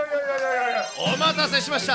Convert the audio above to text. お待たせしました。